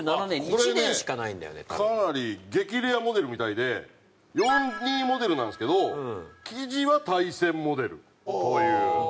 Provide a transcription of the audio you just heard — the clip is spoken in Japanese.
これねかなり激レアモデルみたいで４２モデルなんですけど生地は大戦モデルという。